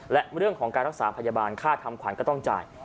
และเรื่องของการรักษาพยาบาลค่าทำขวัญก็ต้องจ่าย